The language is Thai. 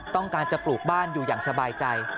ต้องการจะปลูกบ้านอยู่อย่างสบายใจ